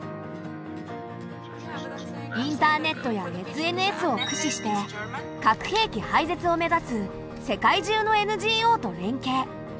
インターネットやＳＮＳを駆使して核兵器廃絶を目指す世界中のＮＧＯと連携。